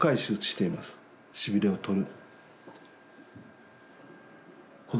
しびれをとる。